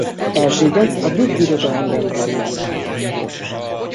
Erzsébet a Brit Birodalmi Rend tagjává avatta.